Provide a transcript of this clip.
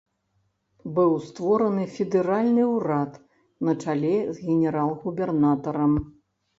Быў створаны федэральны ўрад на чале з генерал-губернатарам.